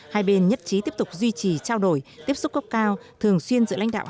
hai bên nhất trí tiếp tục duy trì trao đổi tiếp xúc cấp cao thường xuyên giữa lãnh đạo